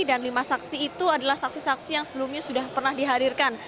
dan lima saksi itu adalah saksi saksi yang sebelumnya sudah pernah dihadirkan